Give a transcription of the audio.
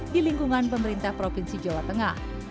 di lingkungan pemerintah provinsi jawa tengah